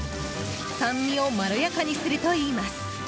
酸味をまろやかにするといいます。